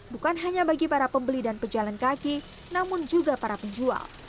bukan hanya bagi para pembeli dan pejalan kaki namun juga para penjual